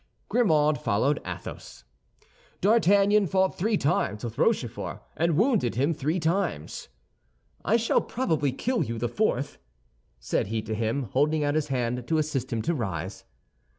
Grimaud followed Athos. D'Artagnan fought three times with Rochefort, and wounded him three times. "I shall probably kill you the fourth," said he to him, holding out his hand to assist him to rise.